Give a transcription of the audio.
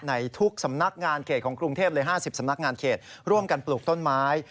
ในทุกสำนักงานเขตของกรุงเทพเลย๕๐สำนักงานเขตร่วมกันปลูกต้นไม้